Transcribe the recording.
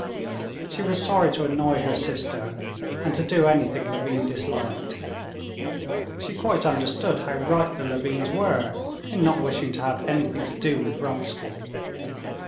She was sorry to annoy her sister and to do anything Levin disliked. She quite understood how right the Levins were in not wishing to have anything to do with Vronsky.